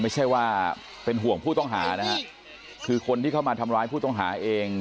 ไม่ใช่ว่าเป็นห่วงผู้ต้องหานะฮะคือคนที่เข้ามาทำร้ายผู้ต้องหาเอง